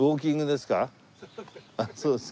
そうです。